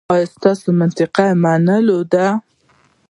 ایا ستاسو منطق د منلو دی؟